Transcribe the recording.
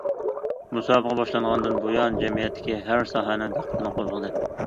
مۇسابىقە باشلانغاندىن بۇيان، جەمئىيەتتىكى ھەر ساھەنىڭ دىققىتىنى قوزغىدى.